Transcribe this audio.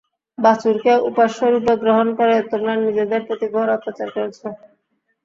বাছুরকে উপাস্যরূপে গ্রহণ করে তোমরা নিজেদের প্রতি ঘোর অত্যাচার করেছ।